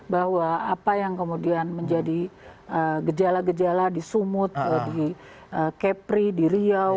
bahwa apa yang kemudian menjadi gejala gejala di sumut di kepri di riau